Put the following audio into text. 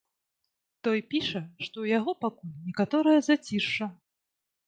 Той піша, што ў яго пакуль некаторае зацішша.